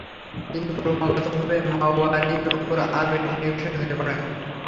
তিনি ক্রমাগতভাবে মাওয়ালিদের ওপর আরও বেশি নির্ভরশীল হয়ে পড়েন।